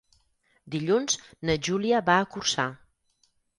Dilluns na Júlia va a Corçà.